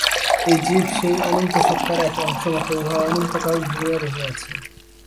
এই জীব সেই অনন্ত সত্তার এক অংশমাত্র, আর উহা অনন্তকাল ধরিয়া রহিয়াছে।